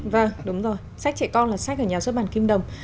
vâng đúng rồi sách trẻ con là sách ở nhà xuất bản kim đồng